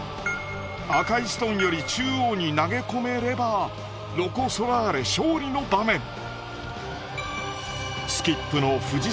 赤いストーンより中央に投げ込めればロコ・ソラーレ勝利の場面。